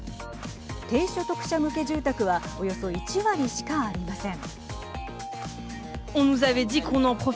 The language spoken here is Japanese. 低所得者向け住宅はおよそ１割しかありません。